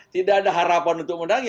tidak ada harapan untuk menanggi